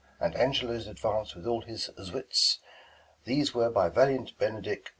And Angelo's advance with all his Zwitz : These were by valiant Benedick repulst.